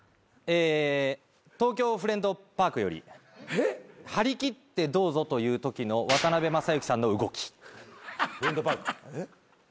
『東京フレンドパーク』より張りきって「どうぞ」と言うときの渡辺正行さんの動き。